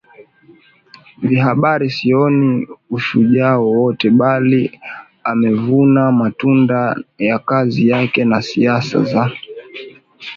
vya Habari sioni ushujaa wowote bali amevuna matunda ya kazi yake na siasa za